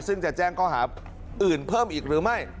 ซึ่งจะแจ้งข้อหาอื่นเพิ่มอีกหรือไม่